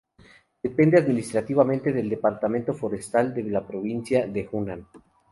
Depende administrativamente del Departamento Forestal de la provincia de Hunan.